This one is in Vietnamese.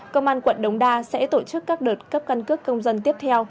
công an quận đống đa sẽ tổ chức các đợt cấp căn cước công dân tiếp theo